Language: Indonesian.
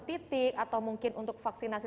titik atau mungkin untuk vaksinasi